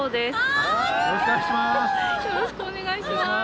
よろしくお願いします。